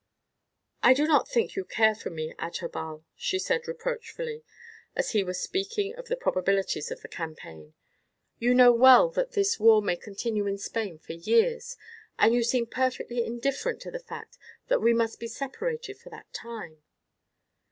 "I do not think you care for me, Adherbal," she said reproachfully as he was speaking of the probabilities of the campaign. "You know well that this war may continue in Spain for years, and you seem perfectly indifferent to the fact that we must be separated for that time."